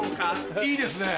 いいですね